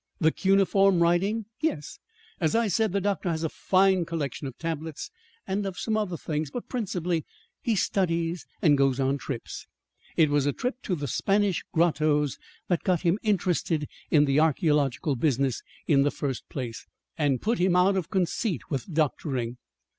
"The cuneiform writing? Yes. As I said, the doctor has a fine collection of tablets, and of some other things; but principally he studies and goes on trips. It was a trip to the Spanish grottoes that got him interested in the archæological business in the first place, and put him out of conceit with doctoring.